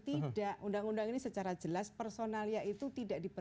tidak undang undang ini secara jelas personalia itu tidak diperlukan